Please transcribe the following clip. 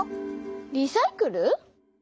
リサイクル？